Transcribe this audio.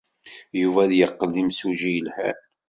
Yuba ad yeqqel d imsujji yelhan.